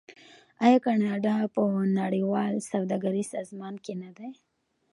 آیا کاناډا په نړیوال سوداګریز سازمان کې نه دی؟